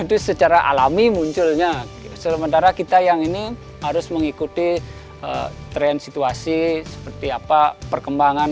itu secara alami munculnya sementara kita yang ini harus mengikuti tren situasi seperti apa perkembangan